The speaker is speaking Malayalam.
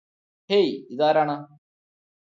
ഹേയ് ഇതാരാണ്